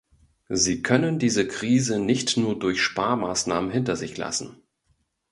Sie können diese Krise nicht nur durch Sparmaßnahmen hinter sich lassen.